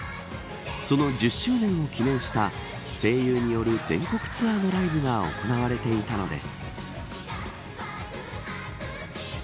その１０周年を記念した声優による全国ツアーのライブが行われていたのです。